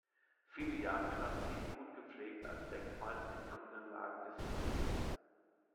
Viele Jahre stand sie, gut gepflegt, als Denkmal in den Grünanlagen des Werkes.